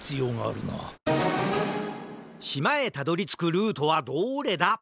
しまへたどりつくルートはどれだ？